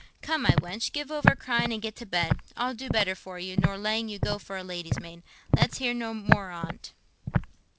Come, my wench, give over crying and get to bed. I'll do better for you nor letting you go for a lady's maid. Let's hear no more on't."